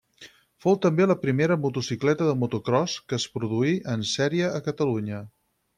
Fou també la primera motocicleta de motocròs que es produí en sèrie a Catalunya.